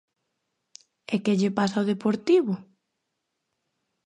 E que lle pasa ao Deportivo?